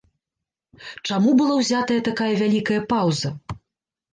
Чаму была ўзятая такая вялікая паўза?